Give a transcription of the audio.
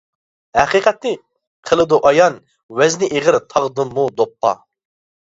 ھەقىقەتنى قىلىدۇ ئايان، ۋەزنى ئېغىر تاغدىنمۇ دوپپا.